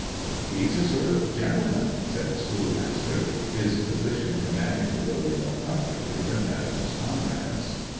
'He's a sort of gentleman,' said the schoolmaster, his position commanding the road more comfortably than that of his comrades.